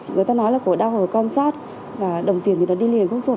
người ta nói là cổ đau ở con sót và đồng tiền thì nó đi liền khúc sột